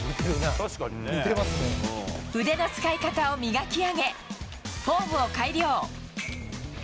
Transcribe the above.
腕の使い方を磨き上げフォームを改良。